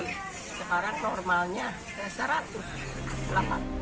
sekarang normalnya rp satu ratus delapan